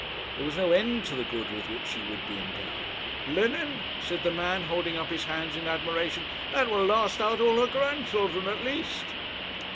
There was no end to the good with which she would be endowed 'linen,' said the man, holding up his hands in admiration, 'that will last out all her grandchildren at least!'